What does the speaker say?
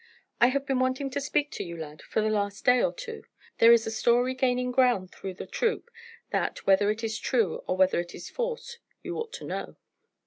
"I have been wanting to speak to you, lad, for the last day or two. There is a story gaining ground through the troop that, whether it is true or whether it is false, you ought to know."